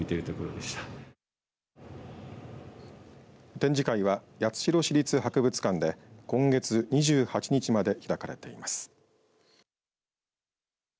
展示会は八代市立博物館で今月２８日まで開かれています。